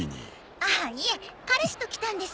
ああいえ彼氏と来たんです。